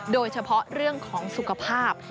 โดยเฉพาะเรื่องของสุขภาพ